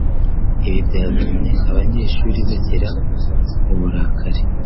Ibi byatumye abanyeshuri bagira uburakari